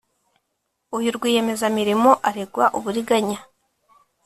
uyu rwiyemezamirimo aregwa uburiganya